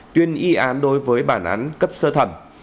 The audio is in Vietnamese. tuyên y án đối với bản án cấp sơ thẩm